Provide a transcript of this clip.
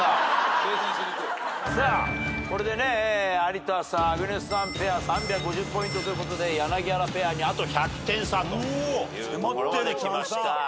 これで有田さん・アグネスさんペア３５０ポイントということで柳原ペアにあと１００点差というところまできました。